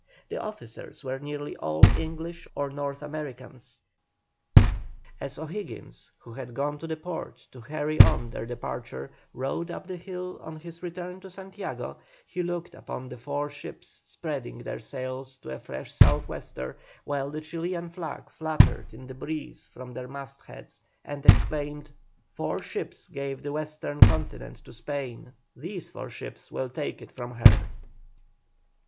The officers were nearly all English or North Americans. As O'Higgins, who had gone to the port to hurry on their departure, rode up the hill on his return to Santiago, he looked upon the four ships spreading their sails to a fresh sou' wester, while the Chilian flag fluttered in the breeze from their mast heads, and exclaimed, "Four ships gave the western continent to Spain; these four will take it from her."